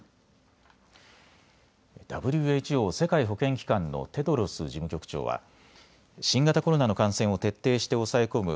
ＷＨＯ・世界保健機関のテドロス事務局長は新型コロナの感染を徹底して抑え込む